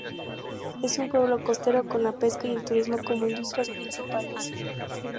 Es un pueblo costero, con la pesca y el turismo como industrias principales.